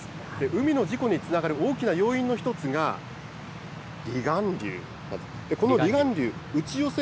海の事故につながる大きな要因の一つが、離岸流なんです。